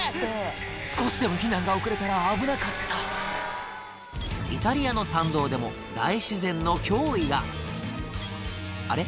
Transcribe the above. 少しでも避難が遅れたら危なかったイタリアの山道でも大自然の脅威があれ？